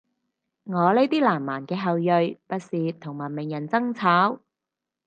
我呢啲南蠻嘅後裔，不屑同文明人爭吵